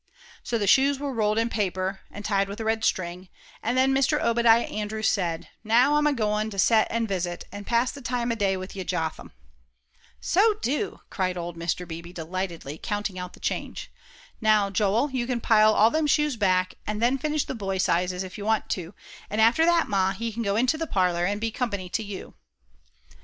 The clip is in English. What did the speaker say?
So the shoes were rolled in paper, and tied with a red string, and then Mr. Obadiah Andrews said, "Now I'm a goin' to set an' visit, and pass the time o' day with you, Jotham." "So do," cried old Mr. Beebe, delightedly, counting out the change. "Now, Joel, you can pile all them shoes back, and then finish the boys' sizes, if you want to; and after that, Ma, he can go into the parlor, and be company to you."